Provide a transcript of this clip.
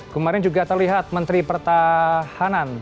kemarin juga terlihat menteri pertahanan